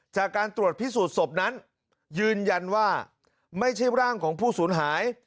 จากการตรวจพิสูจน์ศพนั้นยืนยันว่าไม่ใช่ร่างของผู้สูญหาย